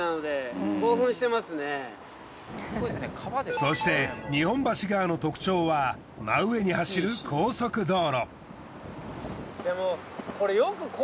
そして日本橋川の特徴は真上に走る高速道路。